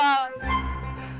cukup cukup cukup cukup